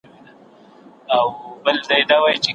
سالم خواړه د بدن د ټولو سیستمونو د سم فعالیت لپاره اړین دي.